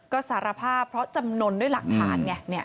ก็สารภาพเพราะจำนวนด้วยหลักฐานไง